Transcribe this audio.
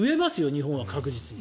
日本は確実に。